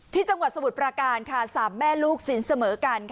ที่จังหวัดสบุตรปราการสามแม่ลูกสินเสมอกัน